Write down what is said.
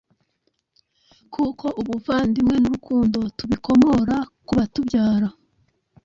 Kuko ubuvandimwe n’urukundoTubikomora ku batubyara.